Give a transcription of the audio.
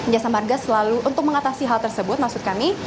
jasa marga selalu untuk mengatasi hal tersebut maksud kami